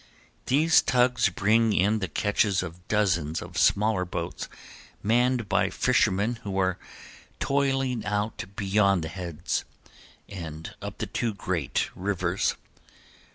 These tugs bring in the catches of dozens of smaller boats manned by fishermen who are toiling out beyond the heads, and up the two great rivers.